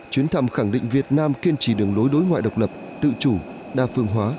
chuyến thăm khẳng định việt nam kiên trì đường lối đối ngoại độc lập tự chủ đa phương hóa